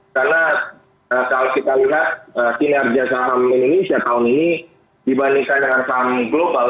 karena kalau kita lihat kinerja saham indonesia tahun ini dibandingkan dengan saham global